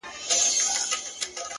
o گرانه دا اوس ستا د ځوانۍ په خاطر؛